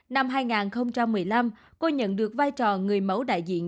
năm hai nghìn một mươi năm cô nhận được vai trò người mẫu đại diện